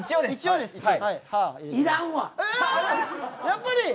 やっぱり。